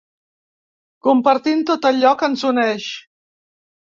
Compartint tot allò que ens uneix.